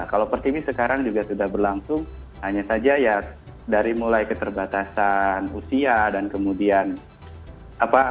kalau pertimis sekarang juga sudah berlangsung hanya saja ya dari mulai keterbatasan usia dan kemudian apa